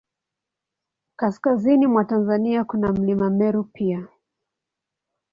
Kaskazini mwa Tanzania, kuna Mlima Meru pia.